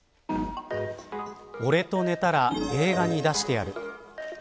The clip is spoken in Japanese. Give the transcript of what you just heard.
俺と寝たら映画に出してやる。